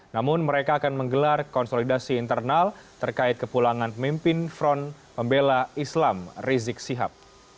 namun mereka akan menggelar konsolidasi internal terkait kepulangan pemimpin front pembela islam rizik sihab